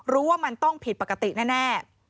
ว่ามันต้องผิดปกติแน่